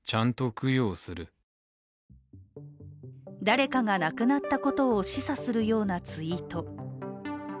誰かが亡くなったことを示唆するようなツイート。